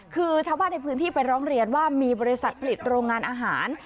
คือชาวบ้านในพื้นที่ไปร้องเรียนว่ามีบริษัทผลิตโรงงานอาหาร